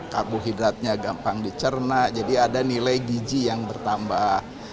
karbohidratnya gampang dicerna jadi ada nilai gizi yang bertambah